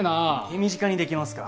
手短にできますか？